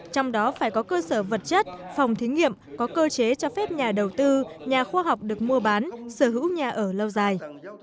trong đó phải có cơ sở vật chất phòng thí nghiệm có cơ chế cho phép nhà đầu tư nhà khoa học được mua bán sở hữu nhà ở lâu dài